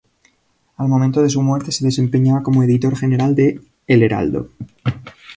Al momento de su muerte se desempeñaba como editor general de El Heraldo.